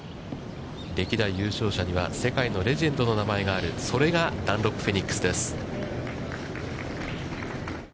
歴代優勝者には世界のレジェンドの名前がある、それがダンロップフェニックスです。